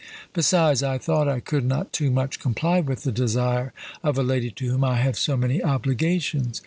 Besides, I thought I could not too much comply with the desire of a lady to whom I have so many obligations.